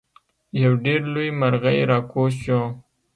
یو ډیر لوی مرغۍ راکوز شو.